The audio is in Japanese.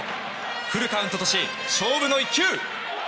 フルカウントとし、勝負の一球。